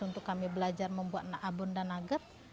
untuk kami belajar membuat abon dan nugget